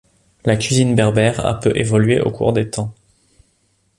La cuisine berbère a peu évolué au cours des temps.